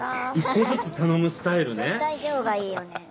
１個ずつ頼むスタイルね。